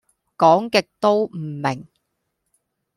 講極都唔明